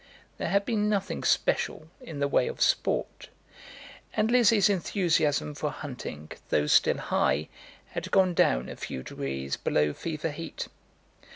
There had been nothing special in the way of sport, and Lizzie's enthusiasm for hunting, though still high, had gone down a few degrees below fever heat.